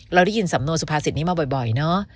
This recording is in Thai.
เราได้ยินสำนวนสุภาษิตนี้มาบ่อยเนอะ